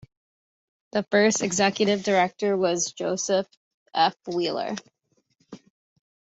The first executive director was Joseph F. Wheeler.